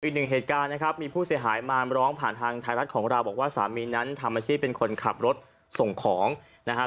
อีกหนึ่งเหตุการณ์นะครับมีผู้เสียหายมาร้องผ่านทางไทยรัฐของเราบอกว่าสามีนั้นทำอาชีพเป็นคนขับรถส่งของนะครับ